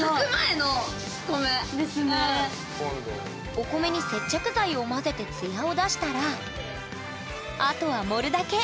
お米に接着剤を混ぜて艶を出したらあとは盛るだけ！